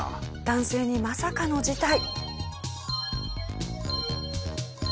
男性にまさかの事態。